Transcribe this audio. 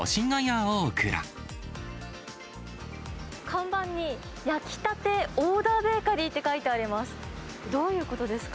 看板に、焼きたてオーダーベーカリーって書いてあります。